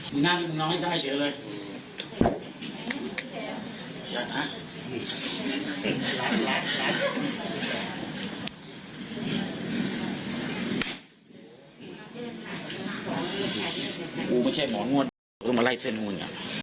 กูไม่ใช่หมอโน้นมาไล่เส้นโน้น